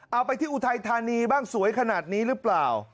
เอาไปที่อุทัยธานีบ้างสวยขนาดนี้หรือเปล่า